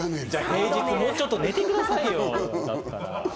平日もうちょっと寝てくださいよ。